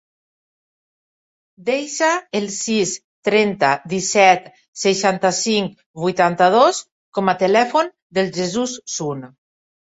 Desa el sis, trenta, disset, seixanta-cinc, vuitanta-dos com a telèfon del Jesús Sun.